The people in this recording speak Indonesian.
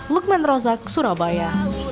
lukman rozak surabaya